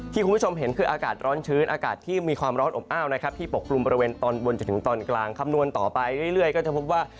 คุณผู้ชมเห็นคืออากาศร้อนชื้นอากาศที่มีความร้อนอบอ้าวนะครับที่ปกกลุ่มบริเวณตอนบนจนถึงตอนกลางคำนวณต่อไปเรื่อยก็จะพบว่า